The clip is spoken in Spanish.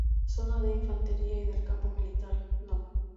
Zona de Infantería y del Campo Militar No.